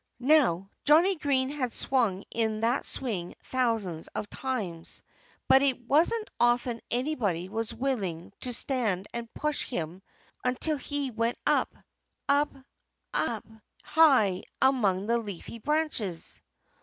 Now, Johnnie Green had swung in that swing thousands of times. But it wasn't often anybody was willing to stand and push him until he went up, up, up, high among the leafy branches.